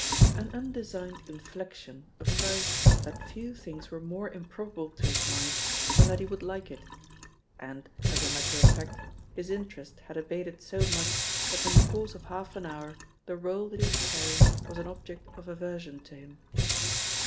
An undesigned inflexion apprised her tiiat few things were more improbable to his mind than 3HE POSITION OF PEGGY HARPER 1877 that he would like it. And, as a matter of fact, his interest had abated so much that in the course of half an hour the roll that he was carrying was an object of aversion to him.